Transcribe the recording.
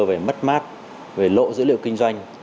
về mất mát về lộ dữ liệu kinh doanh